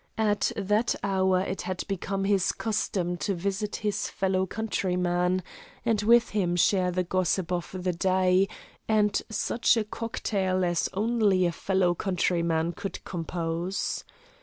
At that hour it had become his custom to visit his fellow countryman and with him share the gossip of the day and such a cocktail as only a fellow countryman could compose.